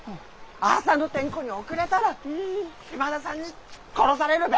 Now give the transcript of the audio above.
朝の点呼に遅れたらひい島田さんにつっ殺されるべ！